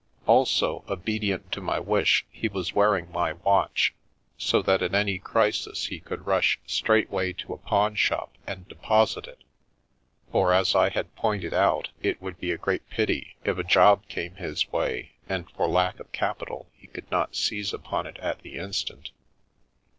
Also, obedient to my wish, he was wearing my watch, so that at any crisis he could rush straightway to a pawnshop and deposit it — for, as I had pointed out, it would be a great pity if a job came his way and for lack of capital he could not seize upon it at the instant.